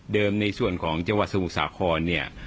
ในส่วนของจังหวัดสมุทรสาครเนี่ย